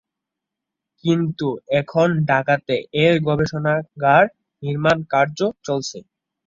কিন্তু এখন ঢাকাতে এর গবেষণাগার নির্মাণ কার্য চলছে।